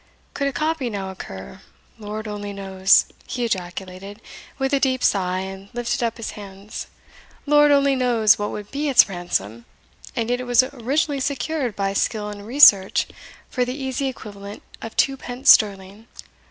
Could a copy now occur, Lord only knows," he ejaculated, with a deep sigh and lifted up hands "Lord only knows what would be its ransom; and yet it was originally secured, by skill and research, for the easy equivalent of two pence sterling.